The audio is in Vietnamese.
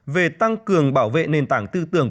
về tăng cường bảo vệ nền tảng tư tưởng